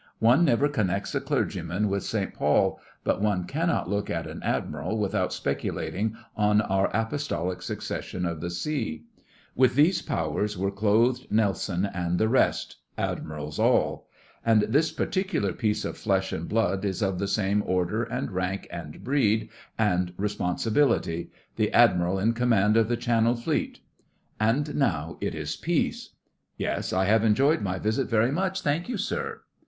One never connects a clergyman with St. Paul; but one cannot look at an Admiral without speculating on our apostolic Succession of the Sea. With these powers were clothed Nelson and the rest—'Admirals all.' And this particular piece of flesh and blood is of the same order, and rank, and breed, and responsibility—the Admiral in command of the Channel Fleet. And now it is peace. ('Yes, I have enjoyed my visit very much, thank you, sir.